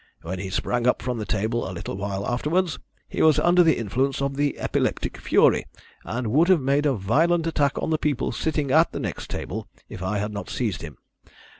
When he sprang up from the table a little while afterwards he was under the influence of the epileptic fury, and would have made a violent attack on the people sitting at the next table if I had not seized him.